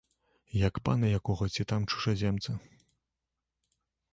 Як пана якога ці там чужаземца.